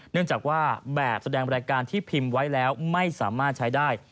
เนื่องจากว่าแบบแสดงรายการที่พิมพ์ไว้แล้วไม่สามารถใช้ได้